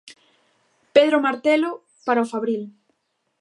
Pedro Martelo para o Fabril.